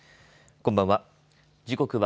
こんばんは。